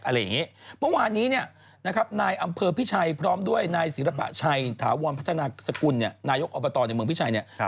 เมื่อวานี้น่ายอำเภอพิชัยพร้อมด้วยนายศิรปะชัยถาวนพัฒนาสกุลน่านยกอิปตอบในเมืองพิชัย